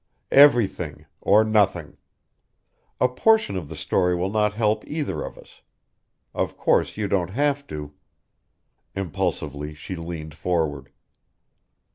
"Everything or nothing. A portion of the story will not help either of us. Of course you don't have to " Impulsively she leaned forward.